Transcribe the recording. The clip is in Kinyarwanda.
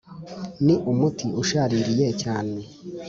Ni umuti ushaririye cyane